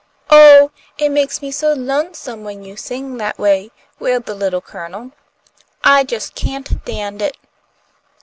"Oh, it makes me so lonesome when you sing that way," wailed the Little Colonel. "I just can't 'tand it!